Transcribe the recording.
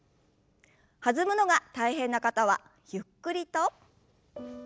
弾むのが大変な方はゆっくりと。